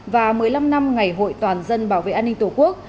và một mươi năm năm ngày hội toàn dân bảo vệ an ninh tổ quốc